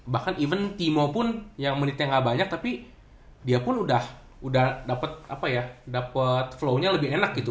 bahkan even timo pun yang menitnya ga banyak tapi dia pun udah dapet apa ya dapet flownya lebih enak gitu